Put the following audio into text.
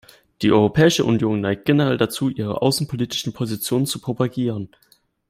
Die Europäische Union neigt generell dazu, ihre außenpolitischen Positionen zu propagieren.